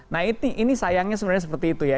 nah ini sayangnya sebenarnya seperti itu ya